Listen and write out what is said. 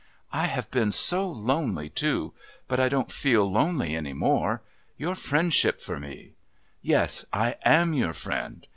"I have been so lonely too. But I don't feel lonely any more. Your friendship for me...." "Yes, I am your friend.